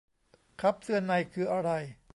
คัพเสื้อในคืออะไร